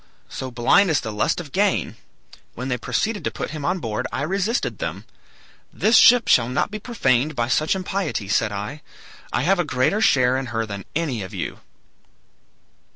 So blind is the lust of gain! When they proceeded to put him on board I resisted them. 'This ship shall not be profaned by such impiety,' said I. 'I have a greater share in her than any of you.'